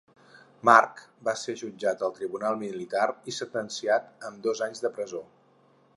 Mack va ser jutjat al tribunal militar i sentenciat amb dos anys de presó.